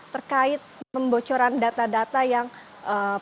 terkait pembocoran data data yang penting